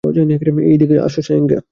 এইদিকে, সাঙ্গেয়া।